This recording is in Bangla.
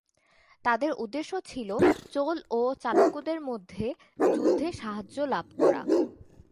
তাদের উদ্দেশ্য ছিল চোল ও চালুক্যদের মধ্যে যুদ্ধে সাহায্য লাভ করা।